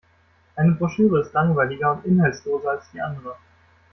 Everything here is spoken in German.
Eine Broschüre ist langweiliger und inhaltsloser als die andere.